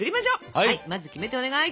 はいまずキメテお願い。